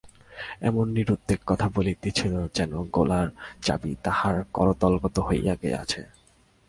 এমন নিরুদ্বেগে কথা বলিতেছিল যেন গোলার চাবি তাহার করতলগত হইয়া গিয়াছে।